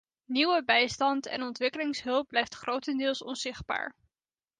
Nieuwe bijstand en ontwikkelingshulp blijft grotendeels onzichtbaar.